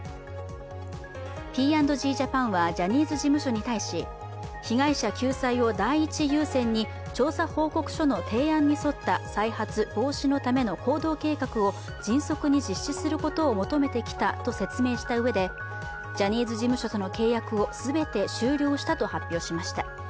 Ｐ＆Ｇジャパンはジャニーズ事務所に対し被害者救済を第一優先に調査報告書の提案に沿った再発防止のための行動計画を迅速に実施することを求めてきたと説明したうえで、ジャニーズ事務所との契約を全て終了したと発表しました。